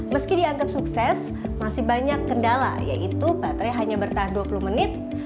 meski dianggap sukses masih banyak kendala yaitu baterai hanya bertahan dua puluh menit